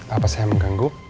apa saya mengganggu